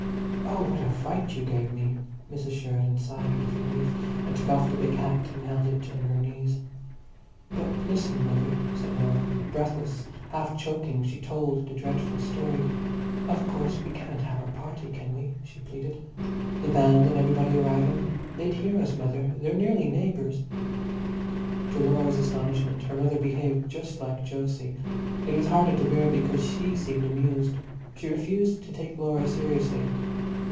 "Oh, what a fright you gave me!" Mrs. Sheridan sighed with relief, and took off the big hat and held it on her knees. "But listen, mother," said Laura. Breathless, half choking, she told the dreadful story. "Of course, we can't have our party, can we?" she pleaded. "The band and everybody arriving. They'd hear us, mother; they're nearly neighbours!" To Laura's astonishment her mother behaved just like Jose; it was harder to bear because she seemed amused. She refused to take Laura seriously.